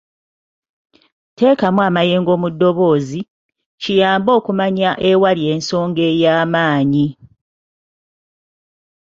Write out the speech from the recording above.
Teekamu amayengo mu ddoboozi; kiyambe okumanya ewali ensonga ey'amaanyi.